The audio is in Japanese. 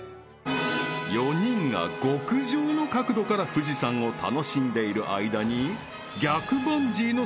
［４人が極上の角度から富士山を楽しんでいる間に逆バンジーの］